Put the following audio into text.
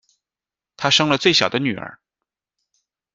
她生了最小的女儿